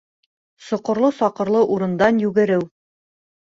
Соҡорло-саҡырлы урындан йүгереү